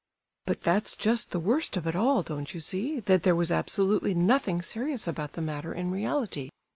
"But that's just the worst of it all, don't you see, that there was absolutely nothing serious about the matter in reality!"